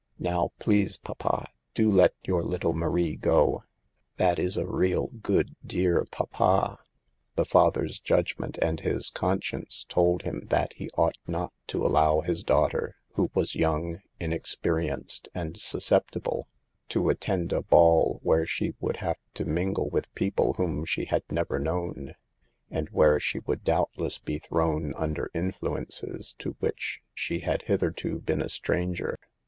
Now, please, papa, do let your little Marie go, that is a real, good, dear, papa." The father's judgment and his conscience told him that he ought not to allow his daugh ter, who was young, inexperienced and sus ceptible, to attend a ball where she would have to mingle with people whom she had never known, and where she would doubtless be thrown under influences to which she had hitherto been a stranger.